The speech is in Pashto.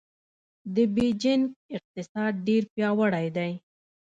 د بېجینګ اقتصاد ډېر پیاوړی دی.